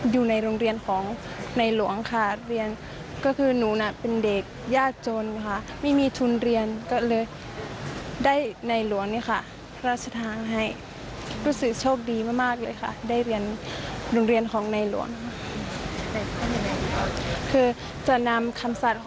อยู่อย่าพอเพียรไม่มีความรู้ค่ะ